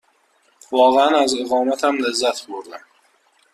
واقعاً از اقامتم لذت بردم.